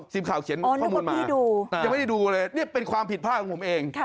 ทีมข่าวเขียนข้อมูลมาให้ดูยังไม่ได้ดูเลยนี่เป็นความผิดพลาดของผมเอง